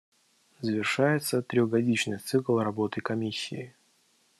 Завершается трехгодичный цикл работы Комиссии.